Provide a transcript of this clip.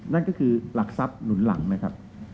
นั่นก็คือหลักทรัพย์หนุนหลังนะครับ